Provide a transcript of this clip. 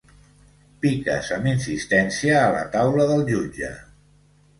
Piques amb insistència a la taula del jutge.